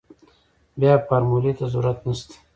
بيا فارمولې ته ضرورت نشته.